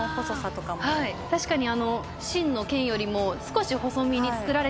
確かに。